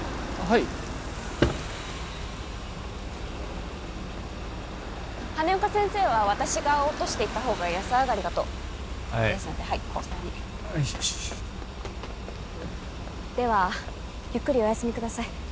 はい羽根岡先生は私が落としていったほうが安上がりかとはいですのではいこちらにではゆっくりお休みください